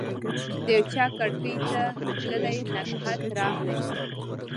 د یوچا کړکۍ ته تللي نګهت راغلی